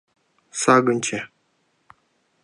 Сагынче...